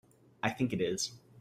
I think it is.